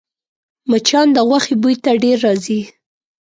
مچان د غوښې بوی ته ډېر راځي